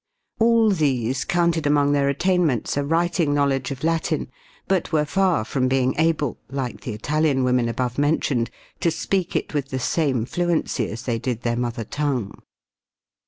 All these counted among their attainments a writing knowledge of Latin, but were far from being able, like the Italian women above mentioned, to speak it with the same fluency as they did their mother tongue.